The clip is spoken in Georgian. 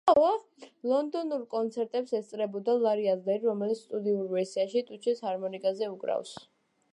ლონდონურ კონცერტებს ესწრებოდა ლარი ადლერი, რომელიც სტუდიურ ვერსიაში ტუჩის ჰარმონიკაზე უკრავს.